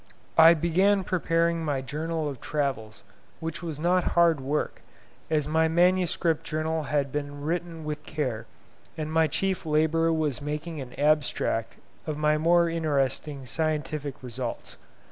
I began preparing my 'Journal of Travels,' which was not hard work, as my MS. Journal had been written with care, and my chief labour was making an abstract of my more interesting scientific results.